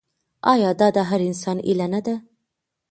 آیا دا د هر انسان هیله نه ده؟